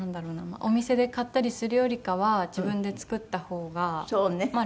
お店で買ったりするよりかは自分で作った方が楽だったりとか。